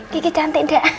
gigi cantik gak